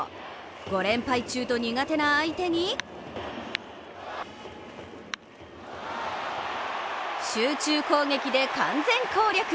５連敗中と苦手な相手に集中攻撃で完全攻略。